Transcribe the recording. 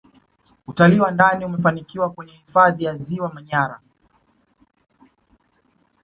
utalii wa ndani umefanikiwa kwenye hifadhi ya ziwa manyara